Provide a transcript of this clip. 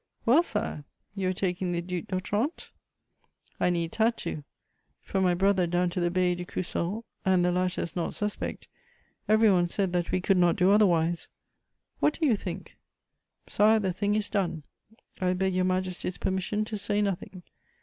"Well, Sire, you are taking the Duc d'Otrante?" "I needs had to: from my brother down to the Bailli de Crussol (and the latter is not suspect), every one said that we could not do otherwise. What do you think?" "Sire, the thing is done: I beg your Majesty's permission to say nothing."